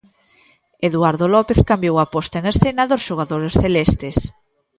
Eduardo López cambiou a posta en escena dos xogadores celestes.